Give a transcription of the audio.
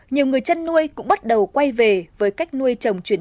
nhiều người chân nuôi cũng bắt đầu quay về với cách nuôi trồng chuyển